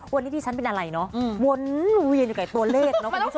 วันนี้ที่ฉันเป็นอะไรเนอะวนเวียนอยู่กับตัวเลขเนาะคุณผู้ชม